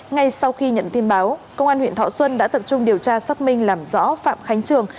ngay sau khi nhận tin báo công an huyện thọ xuân đã tập trung điều tra xác minh làm rõ phạm khánh trường